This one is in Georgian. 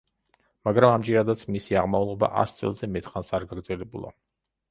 მაგრამ ამჯერადაც მისი აღმავლობა ას წელზე მეტხანს არ გაგრძელებულა.